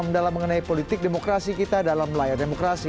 mendalam mengenai politik demokrasi kita dalam layar demokrasi